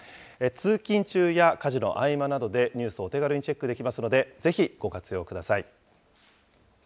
通勤中や家事の合間などでニュースをお手軽にチェックできますので、ぜひご活用ください。